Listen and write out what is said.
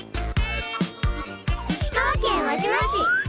石川県輪島市。